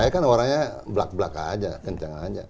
saya kan orangnya blak blak aja kencang aja